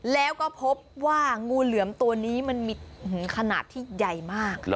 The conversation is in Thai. แล้วก็พบว่างูเหลือมตัวนี้มันมีขนาดที่ใหญ่มาก